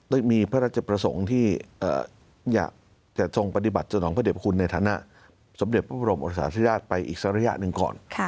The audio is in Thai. ได้มีพระราชประสงค์ที่อยากจะทรงปฏิบัติสนองพระเด็บคุณในฐานะสมเด็จพระบรมโอสาธิราชไปอีกสักระยะหนึ่งก่อน